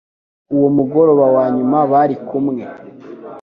uwo mugoroba wa nyuma bari kumve.